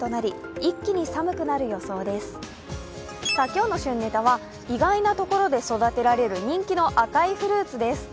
今日の旬ネタは、意外なところで育てられる人気の赤いフルーツです。